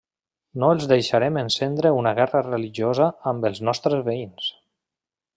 No els deixarem encendre una guerra religiosa amb els nostres veïns.